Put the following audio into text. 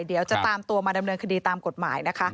เดี๋ยวจะตามตัวมาดำเนินคดีตามกฎหมายนะคะ